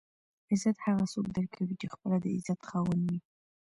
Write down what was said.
عزت هغه څوک درکوي چې خپله د عزت خاوند وي.